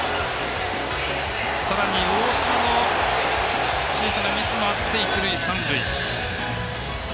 さらに大島の小さなミスもあって一塁、三塁。